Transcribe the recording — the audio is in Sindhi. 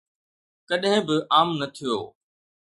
ڪڏهن به عام نه ٿيو.